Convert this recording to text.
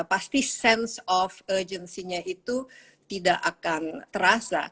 pasti sense of urgency nya itu tidak akan terasa